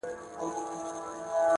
د شهیدانو د قبرونو کوي!.